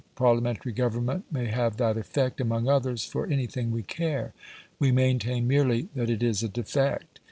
Parliamentary government may have that effect, among others, for anything we care: we maintain merely that it is a defect."